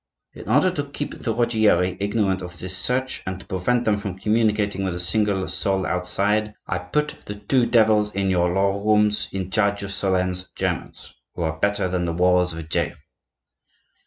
In order to keep the Ruggieri ignorant of this search, and to prevent them from communicating with a single soul outside, I put the two devils in your lower rooms in charge of Solern's Germans, who are better than the walls of a jail.